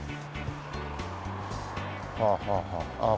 はあはあはあああ